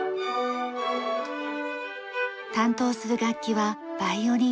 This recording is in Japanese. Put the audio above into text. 担当する楽器はバイオリン。